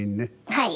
はい。